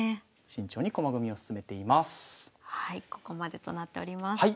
ここまでとなっております。